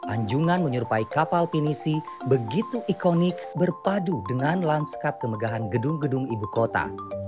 anjungan menyerupai kapal pinisi begitu ikonik berpadu dengan lanskap kemegahan gedung gedung ibu kota